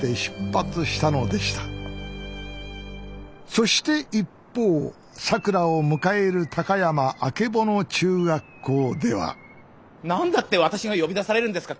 そして一方さくらを迎える高山あけぼの中学校では何だって私が呼び出されるんですか？